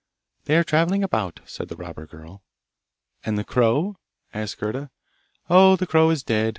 'They are travelling about,' said the robber girl. 'And the crow?' asked Gerda. 'Oh, the crow is dead!